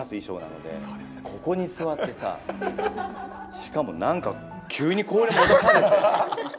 しかも何か急にこれ持たされて。